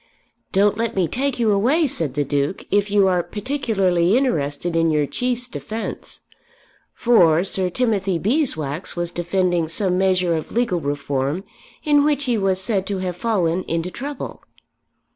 "Don't let me take you away," said the Duke, "if you are particularly interested in your Chief's defence," for Sir Timothy Beeswax was defending some measure of legal reform in which he was said to have fallen into trouble.